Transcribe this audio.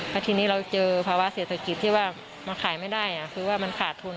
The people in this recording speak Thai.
แล้วทีนี้เราเจอภาวะเศรษฐกิจที่ว่ามันขายไม่ได้คือว่ามันขาดทุน